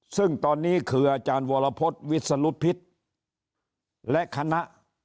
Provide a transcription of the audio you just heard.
ซึ่งตอนนี้คืออาจารย์วรพฤษวิสรุธพิษและคณะ